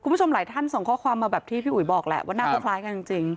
คุณผู้ชมหลายท่านส่งข้อความมาแบบที่พี่อุ๋ยบอกแหละว่าหน้าเขาคล้ายกันจริง